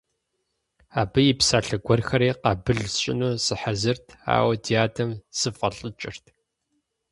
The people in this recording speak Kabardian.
Абы и псалъэ гуэрхэри къабыл сщӀыну сыхьэзырт, ауэ ди адэм сыфӏэлӏыкӏырт.